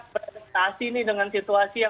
beradaptasi nih dengan situasi yang